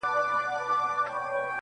• درد کور ټول اغېزمن کوي تل,